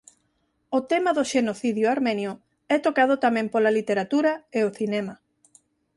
O tema do Xenocidio armenio é tocado tamén pola literatura e o cinema.